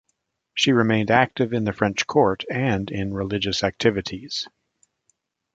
She remained active in the French court and in religious activities.